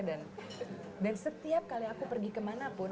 dan setiap kali aku pergi kemana pun